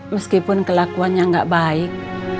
meskipun kelakuannya nggak baik